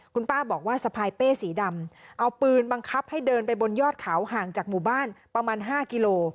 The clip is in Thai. คุณป้าบอกว่าสะพายเป้สีดำเอาปืนบังคับให้เดินไปบนยอดเขาห่างจากหมู่บ้านประมาณ๕กิโล